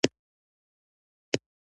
علي تل په خوله یوه او په زړه بله کوي.